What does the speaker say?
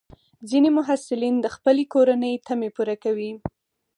ځینې محصلین د خپلې کورنۍ تمې پوره کوي.